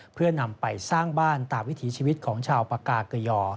เพื่อนำไปสร้างบ้านตามวิถีชีวิตของชาวปากาเกยอ